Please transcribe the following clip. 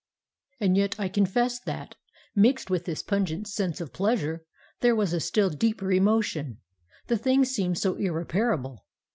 And yet I confess that, mixed with this pungent sense of pleasure, there was a still deeper emotion. The thing seems so irreparable.